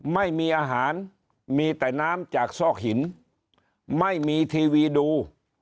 ไม่มีอาหารมีแต่น้ำจากซอกหินไม่มีทีวีดู